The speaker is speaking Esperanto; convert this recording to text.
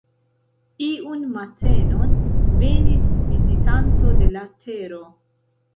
Iun matenon venis vizitanto de la Tero.